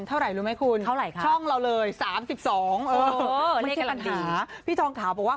เท่าไหร่รู้ไหมคุณเท่าไหร่คะช่องเราเลย๓๒ไม่ใช่ปัญหาพี่ทองขาวบอกว่า